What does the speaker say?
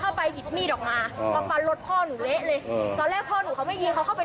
นัดเดียวค่ะเหมือนยิงป้องกันตัวพี่เข้าใจไหม